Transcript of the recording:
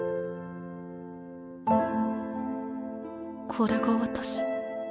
これが私。